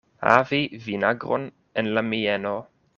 Havi vinagron en la mieno.